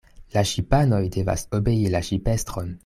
La ŝipanoj devas obei la ŝipestron.